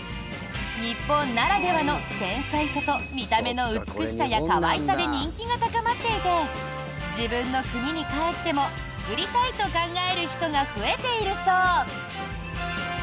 日本ならではの繊細さと見た目の美しさや可愛さで人気が高まっていて自分の国に帰っても作りたいと考える人が増えているそう。